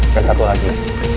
dan satu lagi